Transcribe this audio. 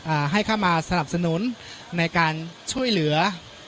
ให้เข้ามาสนับสนุนในการช่วยเหลือ